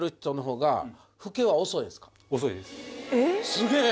すげえ！